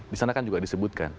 disana kan juga disebutkan